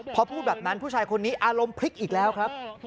พอพูดแบบนั้นผู้ชายคนนี้อารมณ์พลิกอีกแล้วครับ